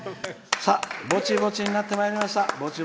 ぼちぼちになってまいりました。